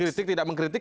kritik tidak mengkritik